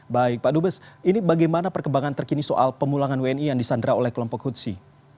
baik pak dubes ini bagaimana perkembangan terkini soal pemulangan wni yang disandra oleh kelompok hutsi